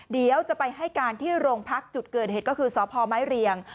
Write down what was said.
เดี๋ยวจะไปให้การที่โรงพักจุดเกิดเหตุก็คือสพไม้เรียง